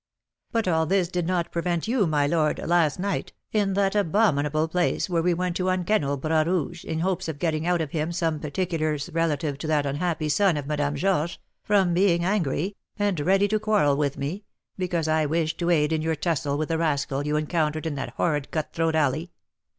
"But all this did not prevent you, my lord, last night (in that abominable place where we went to unkennel Bras Rouge, in hopes of getting out of him some particulars relative to that unhappy son of Madame Georges), from being angry, and ready to quarrel with me, because I wished to aid in your tussle with the rascal you encountered in that horrid cut throat alley."